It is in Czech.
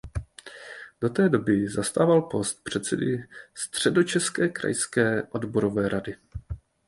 Do té doby zastával post předsedy středočeské krajské odborové rady.